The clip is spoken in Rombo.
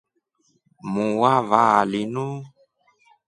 Muu wa vaa linu.